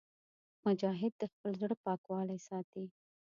مجاهد د خپل زړه پاکوالی ساتي.